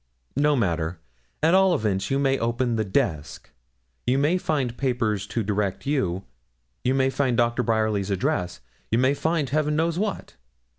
No matter; at all events you may open the desk; you may find papers to direct you you may find Dr. Bryerly's address you may find, heaven knows what.'